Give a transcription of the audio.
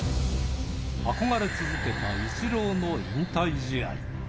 憧れ続けたイチローの引退試合。